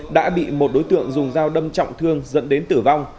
đã bị một đối tượng dùng dao đâm trọng thương dẫn đến tử vong